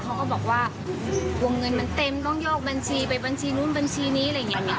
เขาก็บอกว่าวงเงินมันเต็มต้องยกบัญชีไปบัญชีนี่บัญชีหนึ่ง